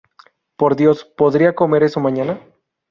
Por Dios, podría comer eso mañana.